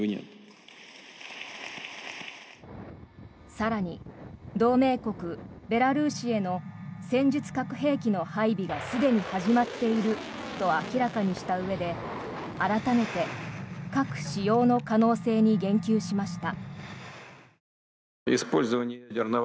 更に同盟国ベラルーシへの戦術核兵器の配備がすでに始まっていると明らかにしたうえで改めて核使用の可能性に言及しました。